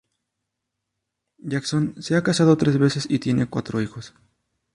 Jackson se ha casado tres veces y tiene cuatro hijos.